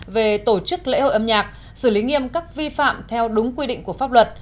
về tổ chức lễ hội âm nhạc xử lý nghiêm các vi phạm theo đúng quy định của pháp luật